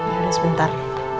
ya udah sebentar